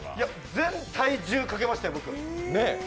全体重かけましたよ、僕。